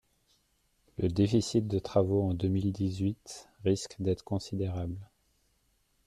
Le déficit de travaux en deux mille dix-huit risque d’être considérable.